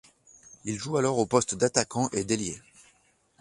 Il joue alors aux poste d'attaquant et d'ailier.